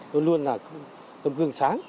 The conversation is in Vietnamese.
luôn luôn là tâm gương sáng